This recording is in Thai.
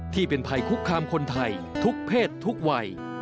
ที่เป็นภัยคุกคามคนไทยทุกเพศทุกวัย